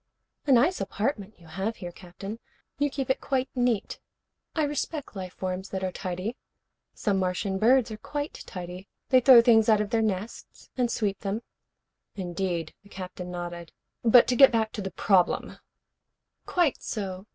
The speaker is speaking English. "A nice apartment you have here, Captain. You keep it quite neat. I respect life forms that are tidy. Some Martian birds are quite tidy. They throw things out of their nests and sweep them " "Indeed." The Captain nodded. "But to get back to the problem " "Quite so.